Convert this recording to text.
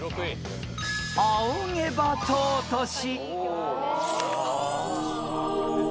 「あおげばとうとし」